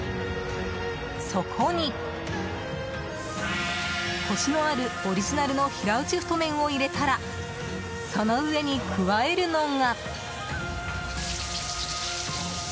そこに、コシのあるオリジナルの平打ち太麺を入れたらその上に加えるのが。